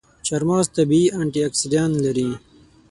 چارمغز طبیعي انټياکسیدان لري.